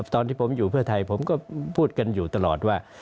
ตอนที่ผมอยู่เพื่อไทยผมก็พูดกันอยู่ตลอดว่า